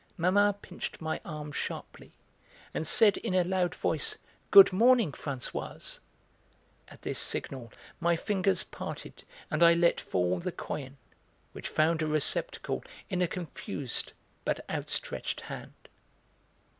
Mamma pinched my arm sharply and said in a loud voice: "Good morning, Françoise." At this signal my fingers parted and I let fall the coin, which found a receptacle in a confused but outstretched hand.